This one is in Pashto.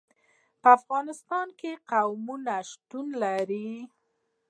په افغانستان کې قومونه شتون لري.